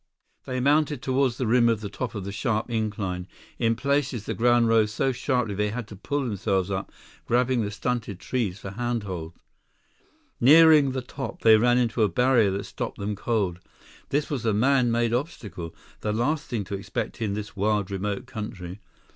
They mounted toward the rim at the top of the sharp incline. In places, the ground rose so sharply they had to pull themselves up, grabbing the stunted trees for handholds. Nearing the top, they ran into a barrier that stopped them cold. This was a man made obstacle, the last thing to expect in this wild, remote country.